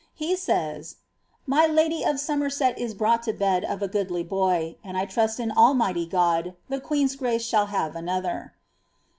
He says, '^ My lady of Somerset Is brought lo bed of a goodly boy, and I trust in Almighty God the queen's grace shall have another."